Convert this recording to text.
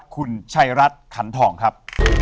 คุณชัยรัฐขันทองครับ